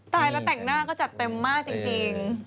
ตายแล้วแต่งหน้าก็จัดเต็มมากจริง